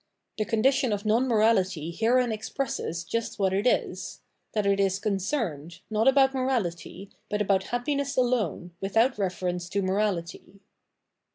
The condition of non morality herein expresses just what it is — that it is concerned, not about morality, but about happiness alone, with out reference to morahty.